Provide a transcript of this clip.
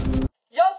よっ！